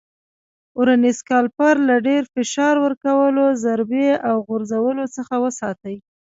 ورنیز کالیپر له ډېر فشار ورکولو، ضربې او غورځولو څخه وساتئ.